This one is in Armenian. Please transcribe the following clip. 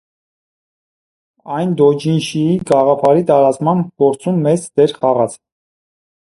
Այն դոջինշիի գաղափարի տարածման գործում մեծ դեր խաղաց։